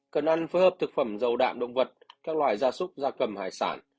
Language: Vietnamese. cần ăn phối hợp thực phẩm giàu đạm động vật các loại gia súc gia cầm hải sản